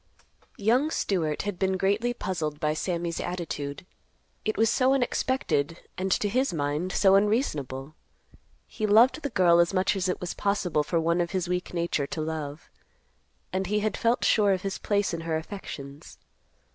Young Stewart had been greatly puzzled by Sammy's attitude. It was so unexpected, and, to his mind, so unreasonable. He loved the girl as much as it was possible for one of his weak nature to love; and he had felt sure of his place in her affections.